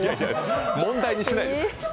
問題にしないです。